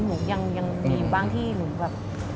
หนูยังมีบ้างที่หนูแบบ